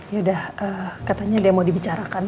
yaudah katanya dia mau dibicarakan